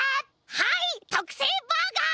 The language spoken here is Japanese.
はいとくせいバーガー！